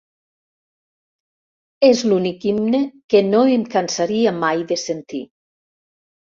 És l'únic himne que no em cansaria mai de sentir.